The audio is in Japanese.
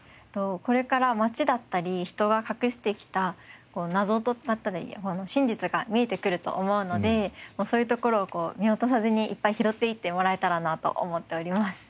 これから街だったり人が隠してきた謎だったり真実が見えてくると思うのでそういうところをこう見落とさずにいっぱい拾っていってもらえたらなと思っております。